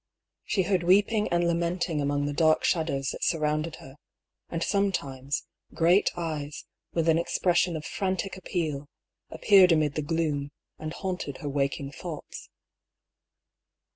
She heard weeping and lamenting among the dark shadows that surrounded her ; and sometimes great eyes, with an expression of frantic appeal, appeared amid the gloom, and haunted her waking thoughts.